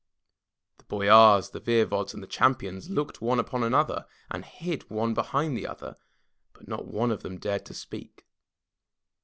The boyars, the voevods and the champions looked one upon another, and hid one behind the other, but not one of them dared to speak.